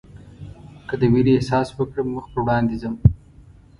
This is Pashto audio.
که د وېرې احساس وکړم مخ پر وړاندې ځم.